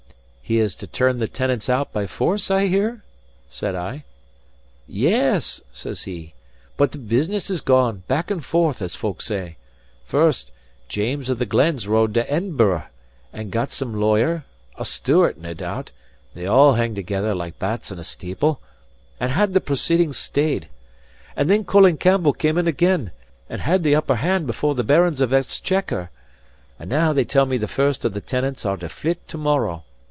"He is to turn the tenants out by force, I hear?" said I. "Yes," says he, "but the business has gone back and forth, as folk say. First, James of the Glens rode to Edinburgh, and got some lawyer (a Stewart, nae doubt they all hing together like bats in a steeple) and had the proceedings stayed. And then Colin Campbell cam' in again, and had the upper hand before the Barons of Exchequer. And now they tell me the first of the tenants are to flit to morrow.